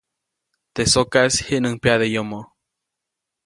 Teʼ sokaʼis jiʼnuŋ pyaʼde yomoʼ.